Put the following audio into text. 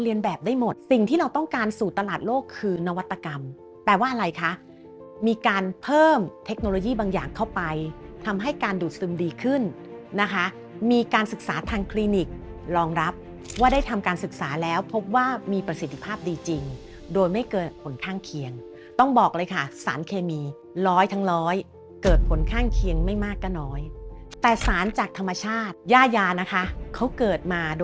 เรียนแบบได้หมดสิ่งที่เราต้องการสู่ตลาดโลกคือนวัตกรรมแปลว่าอะไรคะมีการเพิ่มเทคโนโลยีบางอย่างเข้าไปทำให้การดูดซึมดีขึ้นนะคะมีการศึกษาทางคลินิกรองรับว่าได้ทำการศึกษาแล้วพบว่ามีประสิทธิภาพดีจริงโดยไม่เกิดผลข้างเคียงต้องบอกเลยค่ะสารเคมีร้อยทั้งร้อยเกิดผลข้างเคียงไม